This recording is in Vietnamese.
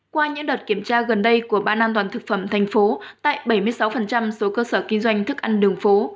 qua những đợt kiểm tra gần đây của ban an toàn thực phẩm thành phố tại bảy mươi sáu số cơ sở kinh doanh thức ăn đường phố